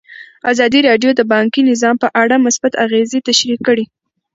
ازادي راډیو د بانکي نظام په اړه مثبت اغېزې تشریح کړي.